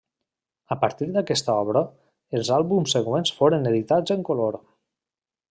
A partir d'aquesta obra, els àlbums següents foren editats en color.